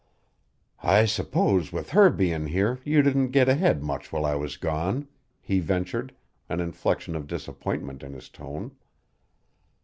"I s'pose, with her bein' here, you didn't get ahead much while I was gone," he ventured, an inflection of disappointment in his tone.